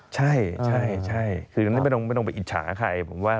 ใช่ไม่ต้องไปอิจฉาใคร